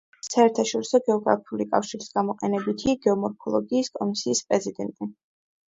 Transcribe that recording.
საერთაშორისო გეოგრაფიული კავშირის გამოყენებითი გეომორფოლოგიის კომისიის პრეზიდენტი.